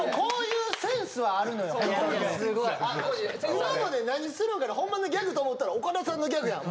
今ので「何するんかなほんまのギャグ？」と思ったら岡田さんのギャグやもん。